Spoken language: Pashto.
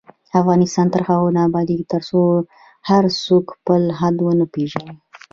افغانستان تر هغو نه ابادیږي، ترڅو هر څوک خپل حد ونه پیژني.